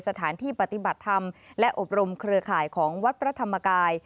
สถานที่ปฏิบัติธรรมและอบรมเครือข่ายของวัดพระธรรมกาย